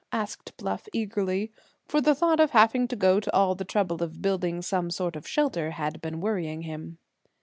asked Bluff eagerly, for the thought of having to go to all the trouble of building some sort of shelter had been worrying him.